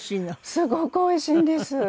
すごくおいしいんです。